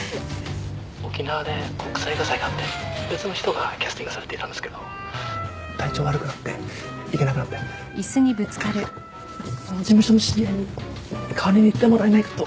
沖縄で国際映画祭があって別の人がキャスティングされていたんですけど体調悪くなって行けなくなってその事務所の知り合いに代わりに行ってもらえないかと。